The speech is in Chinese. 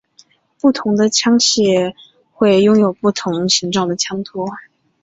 不同的枪械会拥有不同形状的枪托。